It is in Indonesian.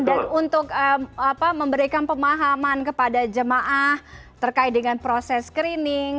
dan untuk memberikan pemahaman kepada jemaah terkait dengan proses screening